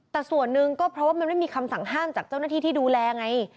แต่ส่วนหนึ่งก็เพราะว่ามันไม่มีคำสั่งห้ามจากเจ้าหน้าที่ที่ดูแลไง